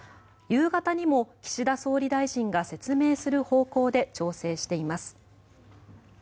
夕方にも岸田総理大臣が説明する方向で調整しています。